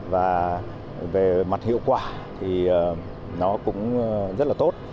và về mặt hiệu quả thì nó cũng rất là tốt